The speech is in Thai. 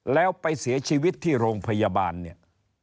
แล้วไปเสียชีวิตที่โรงพยาบาลเนี่ย